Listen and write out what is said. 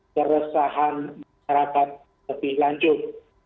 keresahan masyarakat lebih lanjut